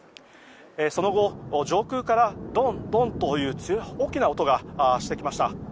その後、上空からドンドンと大きな音がしてきました。